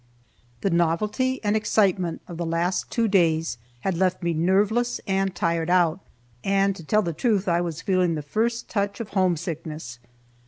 The novelty and excitement of the last two days had left me nerveless and tired out, and to tell the truth, I was feeling the first touch of "home sickness."